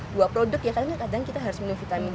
dua produk ya kadang kita harus minum vitamin c